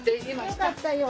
よかったよ。